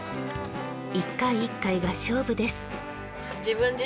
一回一回が勝負です。